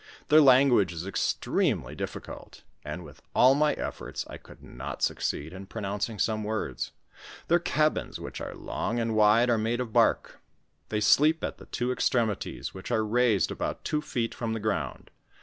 Their language is extremely difficult, and with all my efforts, I could not succeed in pronouncing some words. Theii' cabins, which are long and wide, are made of bark ; they sleep at the two extremities, which are raised about two feet from the ground.